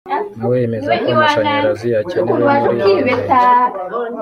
nawe yemeza ko amashanyarazi akenewe muri uyu murenge